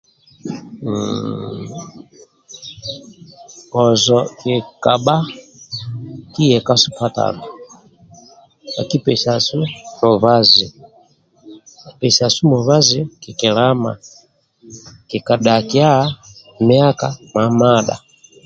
Haaa kozo ki kabha kie ka sipatala bhakipesiasu mibazi pesiasu mibazi kikilama kikadhakia miaka mamadha